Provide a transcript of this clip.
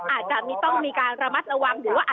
อาจจะต้องมีการระมัดระวังหรือว่า